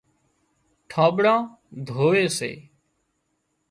ٺانٻڙان ڌووي سي۔